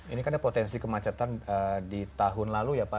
ini kan ada potensi kemacetan di tahun lalu ya pak